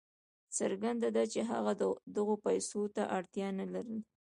څرګنده ده چې هغه دغو پیسو ته اړتیا نه لرله.